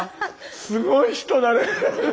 すごい人だね！